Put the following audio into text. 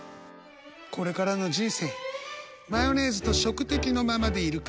これからの人生マヨネーズと食敵のままでいるか？